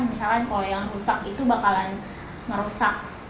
misalkan kalau yang rusak itu bakalan ngerusak